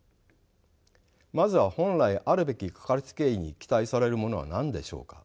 まずは本来あるべきかかりつけ医に期待されるものは何でしょうか。